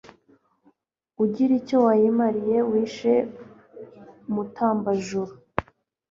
Ugira icyo wayimariye wishe Mutambajuru,